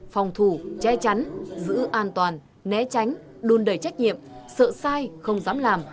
phòng thủ che chắn giữ an toàn né tránh đun đầy trách nhiệm sợ sai không dám làm